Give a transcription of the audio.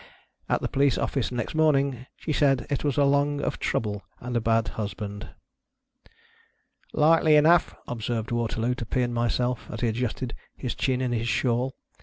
At the police office next morning, she said it was along of trouble and a bad husband. "Likely enough," observed Waterloo to Pea and myself, as he adjusted his chin in his shawl.